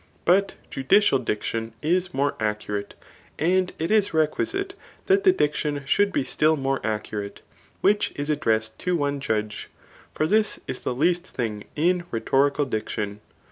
But judi cial diction is more accurate j and it is requisite that the diction should be still more accurate, which is addressed to" one judge ; for this is the least thing in rhetorical dic tion.